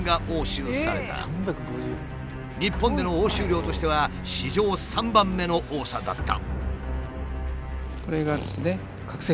日本での押収量としては史上３番目の多さだった。